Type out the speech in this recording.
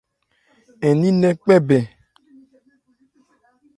Ń ni nnɛn kpɛ́ bɛn.